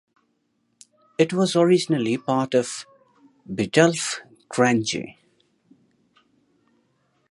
It was originally part of Biddulph Grange.